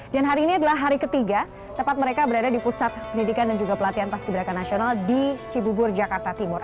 dan hari ini adalah hari ketiga tempat mereka berada di pusat pendidikan dan juga pelatihan pascibidaka nasional di cibubur jakarta timur